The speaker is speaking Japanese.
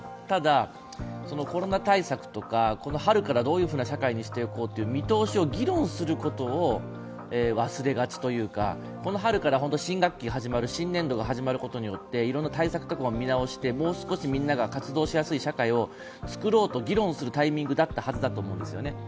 ただ、コロナ対策とか春からどういうふうな社会にしていこうという見通しを議論することを忘れがちというか、この春から新学期が始まる新年度が始まることによっていろんな対策を見直してもう少しみんなが活動しやすい社会を作ろうと議論するタイミングだったはずだと思うんですよね。